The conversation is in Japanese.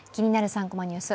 ３コマニュース」